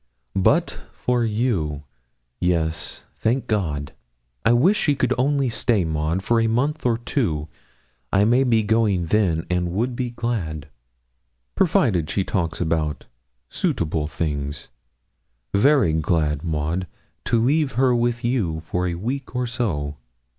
But for you yes, thank God. I wish she could only stay, Maud, for a month or two; I may be going then, and would be glad provided she talks about suitable things very glad, Maud, to leave her with you for a week or so.'